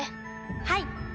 はい。